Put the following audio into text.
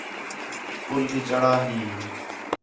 پُل تی چڑھا ہیں